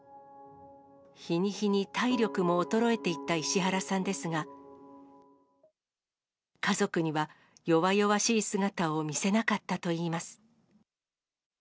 日に日に体力も衰えていった石原さんですが、家族には弱々しい姿を見せなかったといいます。